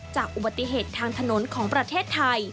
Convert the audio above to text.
จากอุบัติเหตุทางถนนของประเทศไทย